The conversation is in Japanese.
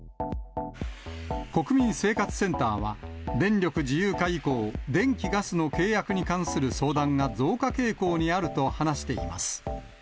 国民生活センターは、電力自由化以降、電気、ガスの契約に関する相談が増加傾向にあると話しています。